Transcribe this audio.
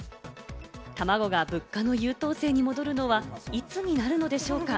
たまごが物価の優等生に戻るのは、いつになるのでしょうか？